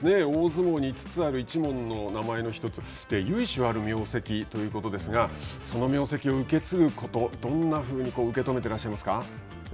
大相撲に５つある名前の１つ由緒ある名跡ということですがその名跡を受け継ぐことどんなふうに受けとめていらっしゃいますか。